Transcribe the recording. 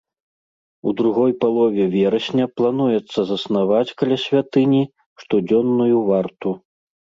У другой палове верасня плануецца заснаваць каля святыні штодзённую варту.